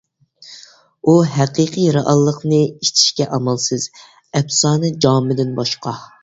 ئۇ ھەقىقىي رېئاللىقنى ئىچىشكە ئامالسىز، ئەپسانە جامىدىن باشقا.